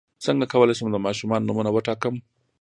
څنګه کولی شم د ماشومانو نومونه وټاکم